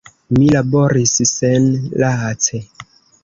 Mi laboris senlace.